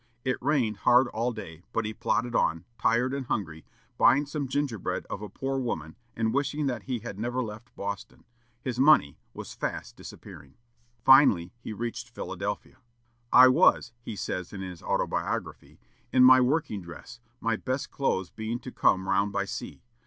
It rained hard all day, but he plodded on, tired and hungry, buying some gingerbread of a poor woman, and wishing that he had never left Boston. His money was fast disappearing. Finally he reached Philadelphia. "I was," he says in his autobiography, "in my working dress, my best clothes being to come round by sea.